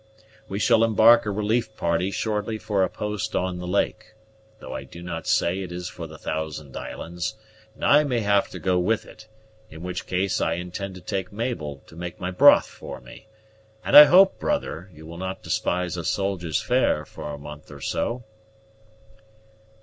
We shall embark a relief party shortly for a post on the lake, though I do not say it is for the Thousand Islands, and I may have to go with it; in which case I intend to take Mabel to make my broth for me; and I hope, brother, you will not despise a soldier's fare for a month or so."